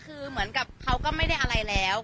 คือเหมือนกับเขาก็ไม่ได้อะไรแล้ว